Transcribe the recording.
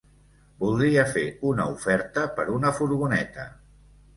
Voldria fer una oferta per una furgoneta.